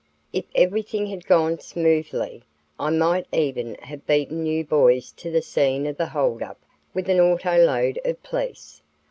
If everything had gone smoothly, I might even have beaten you boys to the scene of the hold up with an auto load of police.